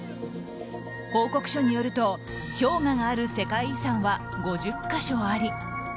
報告書によると氷河がある世界遺産は５０か所あり